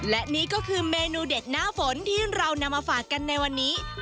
และนี่ก็คือเมนูเด็ดหน้าฝนที่เรานำมาฝากกันในวันนี้